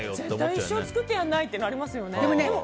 絶対、一生作ってやんないってなりますよね。